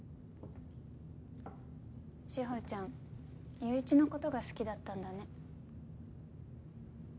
志法ちゃん友一の事が好きだったんだね。